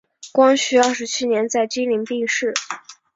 光绪二十七年在经岭病逝。